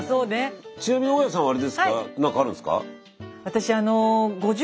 ちなみに大家さんはあれですか何かあるんすか？